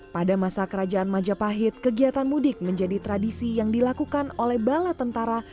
pada masa kerajaan majapahit kegiatan mudik menjadi tradisi yang dilakukan oleh bala tentara